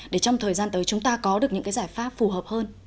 để trong thời gian tới chúng ta có được những cái giải pháp phù hợp hơn